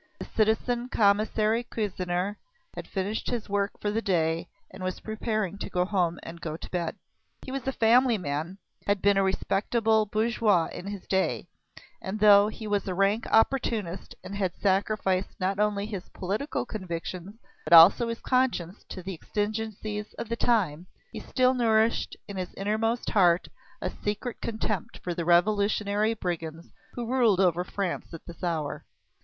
The citizen Commissary Cuisinier had finished his work for the day and was preparing to go home and to bed. He was a family man, had been a respectable bourgeois in his day, and though he was a rank opportunist and had sacrificed not only his political convictions but also his conscience to the exigencies of the time, he still nourished in his innermost heart a secret contempt for the revolutionary brigands who ruled over France at this hour.